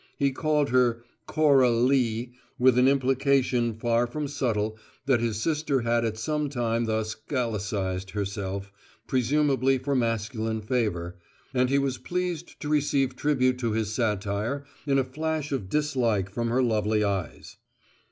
He called it "Cora lee," with an implication far from subtle that his sister had at some time thus Gallicized herself, presumably for masculine favour; and he was pleased to receive tribute to his satire in a flash of dislike from her lovely eyes.